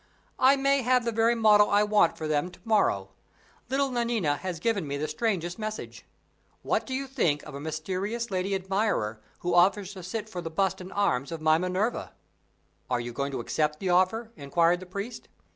"I may have the very model I want for them to morrow. Little Nanina has just given me the strangest message. What do you think of a mysterious lady admirer who offers to sit for the bust and arms of my Minerva?" "Are you going to accept the offer?" inquired the priest.